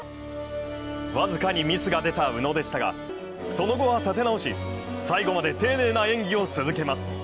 僅かにミスが出た宇野でしたがその後は立て直し、最後まで丁寧な演技を続けます。